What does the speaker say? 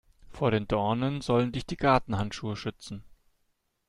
Vor den Dornen sollen dich die Gartenhandschuhe schützen.